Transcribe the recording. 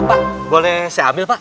pak boleh saya ambil pak